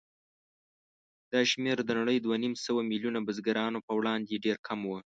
دا شمېر د نړۍ دوهنیمسوه میلیونه بزګرانو په وړاندې ډېر کم و.